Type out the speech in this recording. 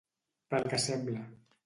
Pel que sembla.